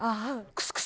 クスクス。